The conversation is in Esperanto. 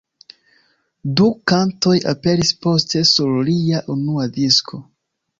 Du kantoj aperis poste sur lia unua disko.